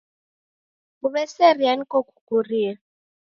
Kuweseria niko kukurie.